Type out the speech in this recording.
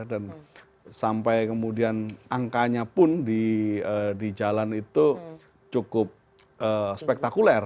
dan sampai kemudian angkanya pun di jalan itu cukup spektakuler